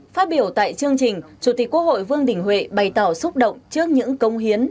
phát biểu tại chương trình chủ tịch quốc hội vương đình huệ bày tỏ xúc động trước những công hiến